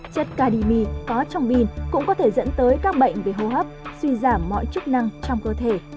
chất cardimi có trong pin cũng có thể dẫn tới các bệnh về hô hấp suy giảm mọi chức năng trong cơ thể